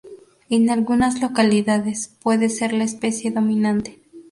En algunas localidades puede ser la especie dominante.